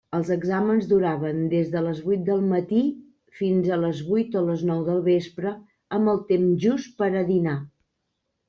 Els exàmens duraven des de les vuit del matí, fins a les vuit o les nou del vespre, amb el temps just per a dinar.